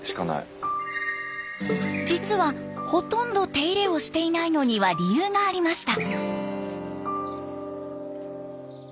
実はほとんど手入れをしていないのには理由がありました。